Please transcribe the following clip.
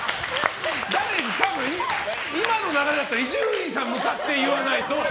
今の流れだったら伊集院さんに向かって言わないと。